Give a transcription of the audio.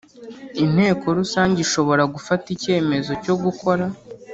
Inteko rusange ishobora gufata icyemezo cyo gukora